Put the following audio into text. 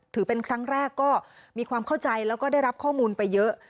ถือเป็นครั้งแรกก็มีความเข้าใจแล้วก็ได้รับข้อมูลไปเยอะ